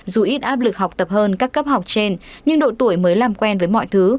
dù ít áp lực học tập hơn các cấp học trên nhưng độ tuổi mới làm quen với mọi thứ